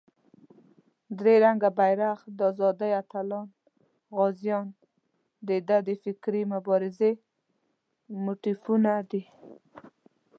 درې رنګه بېرغ، د آزادۍ اتلان، غازیان دده د فکري مبارزې موتیفونه دي.